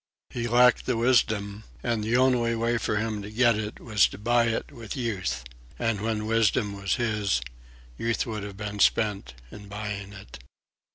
He lacked the wisdom, and the only way for him to get it was to buy it with Youth; and when wisdom was his, Youth would have been spent in buying it.